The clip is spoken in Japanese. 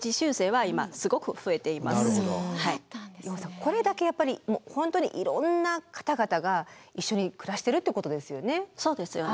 これだけやっぱり本当にいろんな方々が一緒に暮らしてるってことですよね。